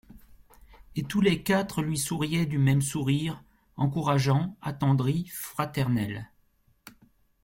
Et tous les quatre lui souriaient du même sourire encourageant, attendri, fraternel.